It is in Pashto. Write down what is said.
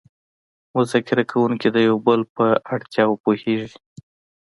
مذاکره کوونکي د یو بل په اړتیاوو پوهیږي